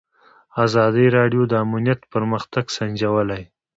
ازادي راډیو د امنیت پرمختګ سنجولی.